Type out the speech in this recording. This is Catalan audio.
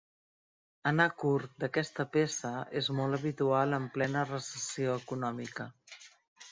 Anar curt d'aquesta peça és molt habitual en plena recessió econòmica.